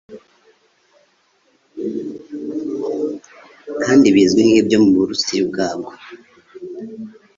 Kandi bizwi nkibyo muburusiya ubwabwo